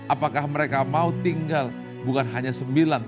apakah mereka mau tinggal bukan hanya sembilan